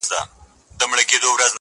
ښه اخلاق مینه زیاتوي.